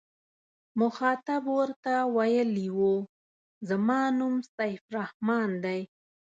مخاطب ورته ویلي و زما نوم سیف الرحمن دی.